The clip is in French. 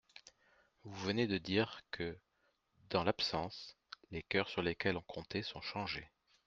Vous venez de dire que, dans l'absence, les coeurs sur lesquels on comptait sont changés.